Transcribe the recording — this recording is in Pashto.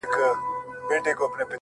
هغه مي سرې سترگي زغملای نسي،